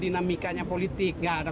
ya makasih saja